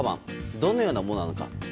どのようなものなのか。